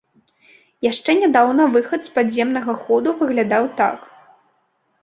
Яшчэ нядаўна выхад з падземнага ходу выглядаў так.